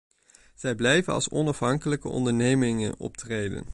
Zij blijven als onafhankelijke ondernemingen optreden.